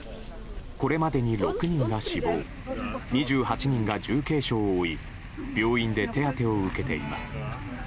これまでに６人が死亡２８人が重軽傷を負い病院で手当てを受けています。